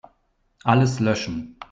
Alles löschen.